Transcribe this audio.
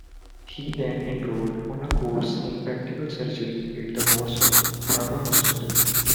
He then enrolled on a course in practical surgery at the Warsaw Praga Hospital.